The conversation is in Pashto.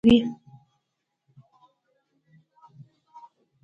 انګلیسي زده کړه فرصتونه زیاتوي